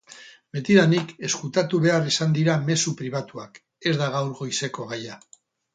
Betidanik ezkutatu behar izan dira mezu pribatuak, ez da gaur goizeko gaia.